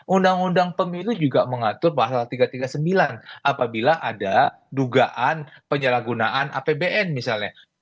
undang undang pemilu juga mengatur pasal tiga ratus tiga puluh sembilan apabila ada dugaan penyalahgunaan apbn misalnya